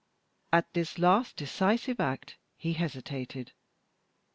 At this last decisive act he hesitated.